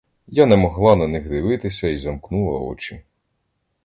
Я не могла на них дивитися й замкнула очі.